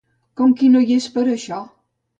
Com qui no hi és per això.